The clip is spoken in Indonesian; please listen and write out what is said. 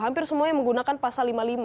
hampir semuanya menggunakan pasal lima puluh lima